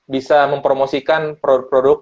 bisa mempromosikan produk produk